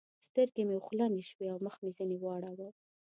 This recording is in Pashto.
سترګې مې اوښلنې شوې او مخ مې ځنې واړاوو.